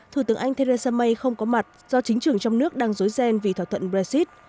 thủ tướng anh theresa may không có mặt do chính trưởng trong nước đang dối ghen vì thỏa thuận brexit